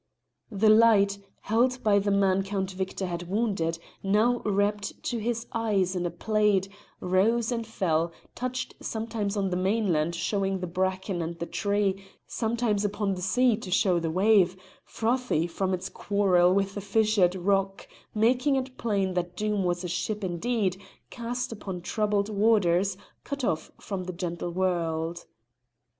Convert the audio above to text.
The light, held high by the man Count Victor had wounded, now wrapped to his eyes in a plaid, rose and fell, touched sometimes on the mainland showing the bracken and the tree, sometimes upon the sea to show the wave, frothy from its quarrel with the fissured rock, making it plain that Doom was a ship indeed, cast upon troubled waters, cut off from the gentle world.